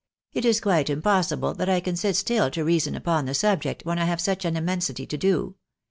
" It is quite impossible that I can sit still to reason upon the subject, when I have such an immensity to do.